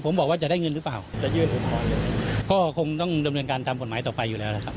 ผมบอกว่าจะได้เงินหรือเปล่าก็คงต้องดำเนินการทำผลหมายต่อไปอยู่แล้วนะครับ